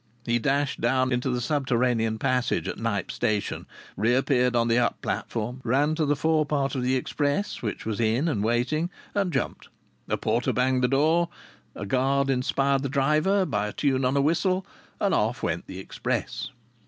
He dashed down into the subterranean passage at Knype Station, reappeared on the up platform, ran to the fore part of the express, which was in and waiting, and jumped; a porter banged the door, a guard inspired the driver by a tune on a whistle, and off went the express.